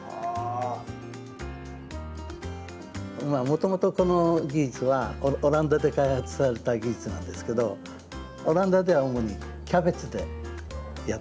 もともとこの技術はオランダで開発された技術なんですけどオランダでは主にキャベツでやってます。